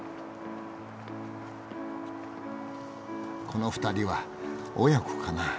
この２人は親子かなあ。